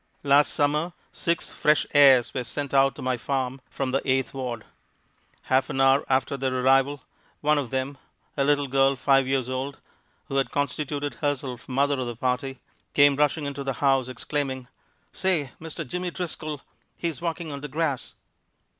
Last Summer six "Fresh Airs" were sent out to my farm, from the Eighth Ward. Half an hour after their arrival, one of them, a little girl five years old, who had constituted herself mother of the party, came rushing into the house exclaiming, "Say, Mister, Jimmy Driscoll he's walkin' on de grass!"